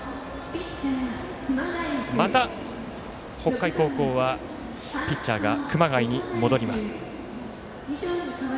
また北海高校はピッチャーが熊谷に戻ります。